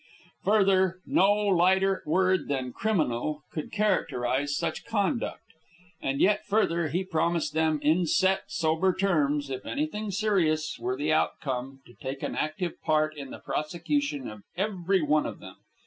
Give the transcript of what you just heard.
Further, no lighter word than "criminal" could characterize such conduct. And yet further, he promised them, in set, sober terms, if anything serious were the outcome, to take an active part in the prosecution of every one of them.